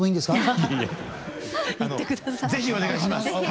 是非お願いします。